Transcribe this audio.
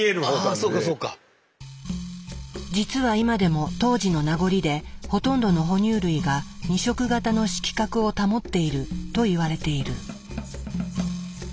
実は今でも当時の名残でほとんどの哺乳類が２色型の色覚を保っていると言われている。